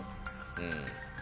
うん。